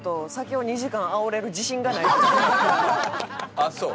ああそう？